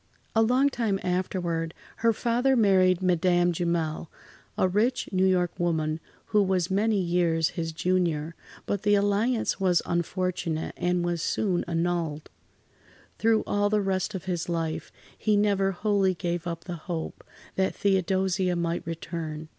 A long time afterward, her father married Madame Jumel, a rich New York woman who was many years his junior, but the alliance was unfortunate, and [Pg 74]was soon annulled. Through all the rest of his life, he never wholly gave up the hope that Theodosia might return.